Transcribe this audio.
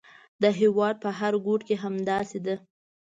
د هېواد په هر ګوټ کې همداسې ده.